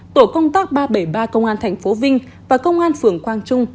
tổ công tác ba trăm bảy mươi ba công an thành phố vinh và công an phường quang trung